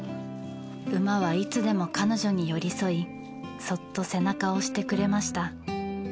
馬はいつでも彼女に寄り添いそっと背中を押してくれました。